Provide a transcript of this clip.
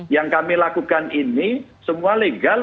yang kami lakukan ini semua legal